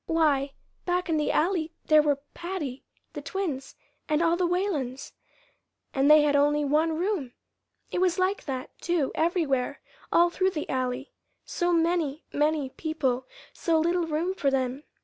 Why, back in the Alley there were Patty, the twins, and all the Whalens and they had only one room! It was like that, too, everywhere, all through the Alley so many, many people, so little room for them.